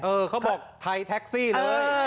เขาบอกไทยแท็กซี่เลย